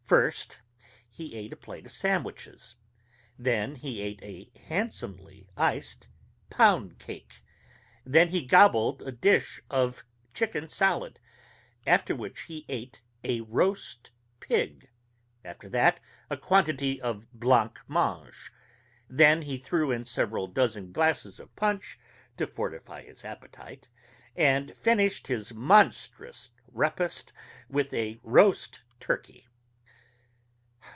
First, he ate a plate of sandwiches; then he ate a handsomely iced poundcake; then he gobbled a dish of chicken salad; after which he ate a roast pig; after that, a quantity of blanc mange; then he threw in several dozen glasses of punch to fortify his appetite, and finished his monstrous repast with a roast turkey.